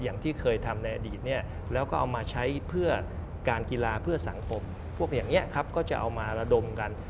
อย่างที่เคยทำในอดีตเนี่ยแล้วก็เอามาใช้เพื่อการกีฬาเพื่อสังคมพวกอย่างนี้ครับก็จะเอามาระดมกัน